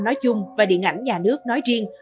nói chung và điện ảnh nhà nước nói riêng